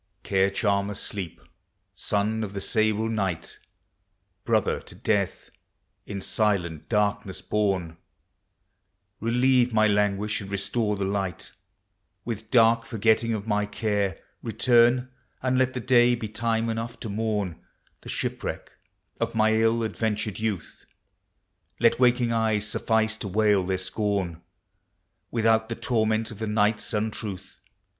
Care charmer Sleep, son of the sable Night, Brother to Death, in silent darkness born: Relieve my languish and restore the light; With dark forgetting of my care, return, And let the day be time enough to mourn The shipwreck of my ill adventured youth: Let waking eyes suffice to wail their scorn Without the torment of the night's untruth.